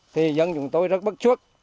thì dân chúng tôi rất bất chuốc